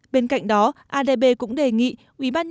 bên cạnh đó adb cũng đề nghị ubnd